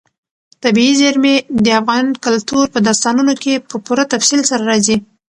طبیعي زیرمې د افغان کلتور په داستانونو کې په پوره تفصیل سره راځي.